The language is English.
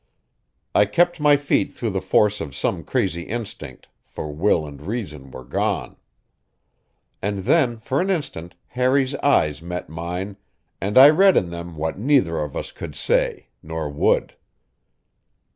I kept my feet through the force of some crazy instinct, for will and reason were gone. And then, for an instant, Harry's eyes met mine, and I read in them what neither of us could say, nor would.